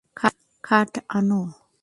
খাট আনো!